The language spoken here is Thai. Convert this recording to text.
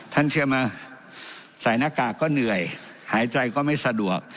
เชื่อไหมใส่หน้ากากก็เหนื่อยหายใจก็ไม่สะดวก